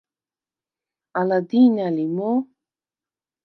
ალა დი̄ნა ლი მო̄?